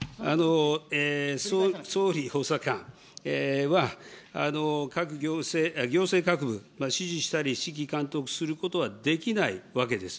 総理補佐官は、行政各部、指示したり指揮監督したりすることはできないわけです。